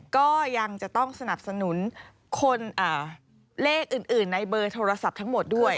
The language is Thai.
ก็ยังจะต้องสนับสนุนคนเลขอื่นในเบอร์โทรศัพท์ทั้งหมดด้วย